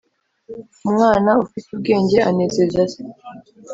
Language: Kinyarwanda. umwana ufite ubwenge anezeza se